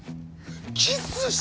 キスして？